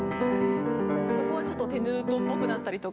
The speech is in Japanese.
ここはちょっとテヌートぽくなったりとか。